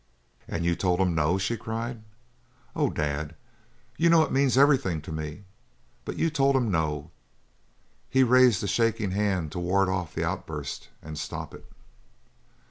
"And you told him no?" she cried. "Oh Dad, you know it means everything to me but you told him no?" He raised a shaking hand to ward off the outburst and stop it.